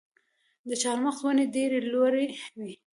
د چهارمغز ونې ډیرې لوړې وي.